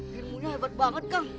girmunya hebat banget kang